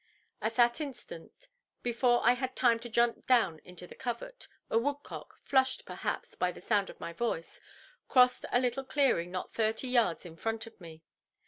At that instant, before I had time to jump down into the covert, a woodcock, flushed, perhaps, by the sound of my voice, crossed a little clearing not thirty yards in front of me.